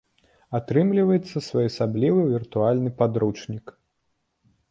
Атрымліваецца своеасаблівы віртуальны падручнік.